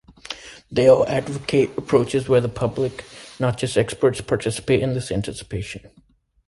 They all advocate approaches where the public, not just experts, participate in this "anticipation".